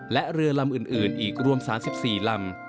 และเรือลำอื่นอีกรวม๓๔ลำ